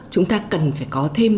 chúng ta cần phải có thêm